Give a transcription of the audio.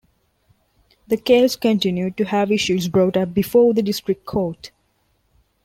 The case continued to have issues brought up before the district court.